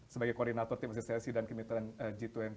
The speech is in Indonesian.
sebagai koordinator tim asistensi dan kemitraan g dua puluh